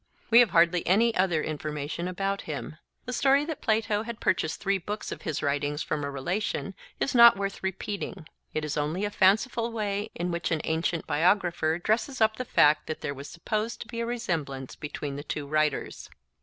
We have hardly any other information about him. The story that Plato had purchased three books of his writings from a relation is not worth repeating; it is only a fanciful way in which an ancient biographer dresses up the fact that there was supposed to be a resemblance between the two writers.